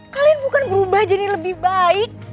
kalian bukan berubah jadi lebih baik